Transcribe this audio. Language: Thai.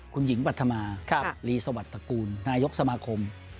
คุณหญิงปัธมารีสวัสดิตระกูลนายกสมาคม